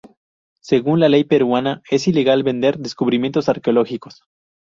Según la ley peruana, es ilegal vender descubrimientos arqueológicos.